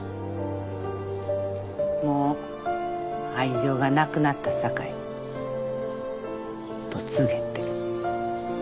もう愛情がなくなったさかいと告げて。